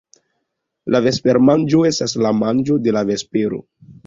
La vespermanĝo estas la manĝo de la vespero.